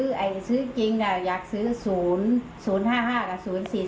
ไอ้ซื้อจริงอยากซื้อ๐๐๕๕กับ๐๔๔